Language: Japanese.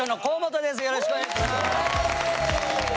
よろしくお願いします。